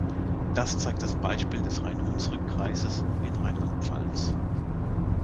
Das zeigt das Beispiel des Rhein-Hunsrück-Kreises in Rheinland-Pfalz.